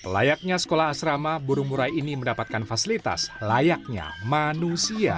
layaknya sekolah asrama burung murai ini mendapatkan fasilitas layaknya manusia